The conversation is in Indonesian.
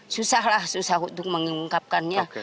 susah lah susah untuk mengungkapkannya